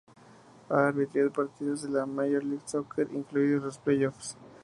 Ha arbitrado partidos de la Major League Soccer incluidos los Playoffs.